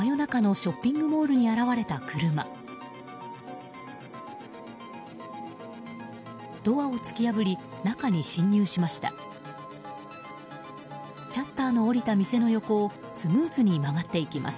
シャッターの下りた店の横をスムーズに曲がっていきます。